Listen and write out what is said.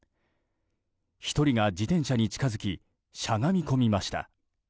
１人が自転車に近づきしゃがみ込みました。